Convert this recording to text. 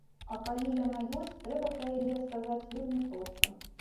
А калі яна ёсць, трэба пра яе сказаць вельмі проста.